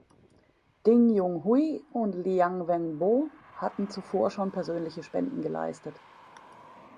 Ding Junhui und Liang Wenbo hatten zuvor schon persönliche Spenden geleistet.